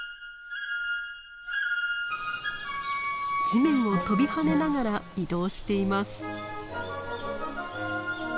地面を跳びはねながら移動しています。